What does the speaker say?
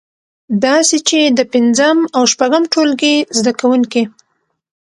داسې چې د پنځم او شپږم ټولګي زده کوونکی